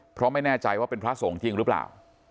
เพราะไม่แน่ใจว่าเป็นพระสงฆ์จริงหรือเปล่า